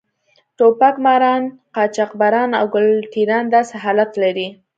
ټوپک ماران، قاچاقبران او ګل ټېران داسې حالت لري.